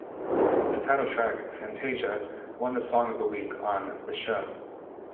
The title track "Fantasia" won the song of the week on "The Show".